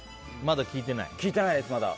聞いていないです、まだ。